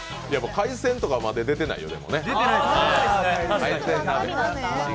海鮮とか、まだ出てないよね。